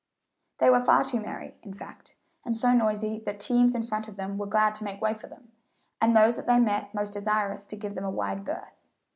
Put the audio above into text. They were far too merry, in fact, and so noisy that teams in front of them were glad to make way for them, and those they met most desirous to give them a wide berth.